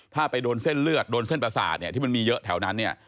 ถ้าไปโดนเส้นเลือดโดนเส้นประสาทที่มันมีเยอะแถวนั้น